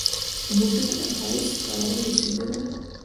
بوټونه د ښایست ښکاره وسیله ده.